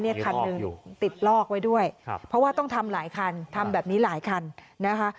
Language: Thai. คันหนึ่งติดลอกไว้ด้วยครับเพราะว่าต้องทำหลายคันทำแบบนี้หลายคันนะคะ